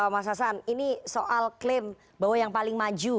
mas hasan ini soal klaim bahwa yang paling maju